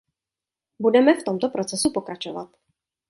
Budeme v tomto procesu pokračovat.